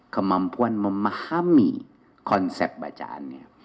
kemampuan memahami konsep bacaannya